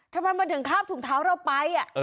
ทำไมมันถึงคาบถุงเท้าเราไป